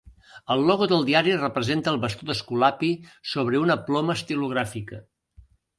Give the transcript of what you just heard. El logo del diari representa el Bastó d'Esculapi sobre una ploma estilogràfica.